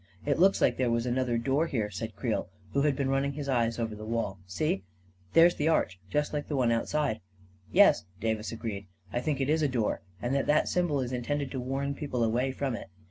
" It looks like there was another door here," said Creel, who had been running his eyes over the walL "See, — there's the arch — just like the one out side." " Yes," Davis agreed, " I think it is a door ; and that that symbol is intended to warn people away from it.